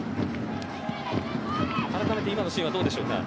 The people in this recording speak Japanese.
あらためて今のシーンはどうでしょうか。